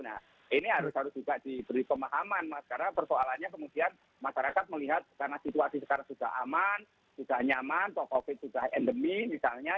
nah ini harus harus juga diberi pemahaman mas karena persoalannya kemudian masyarakat melihat karena situasi sekarang sudah aman sudah nyaman covid sudah endemi misalnya